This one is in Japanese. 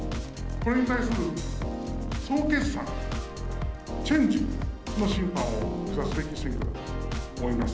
これに対する総決算、チェンジの審判を下すべき選挙だと思います。